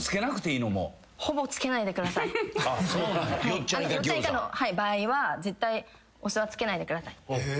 よっちゃんイカの場合は絶対お酢はつけないでください。